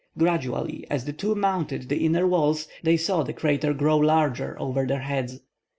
Gradually, as the two mounted the inner walls, they saw the crater grow larger over their heads.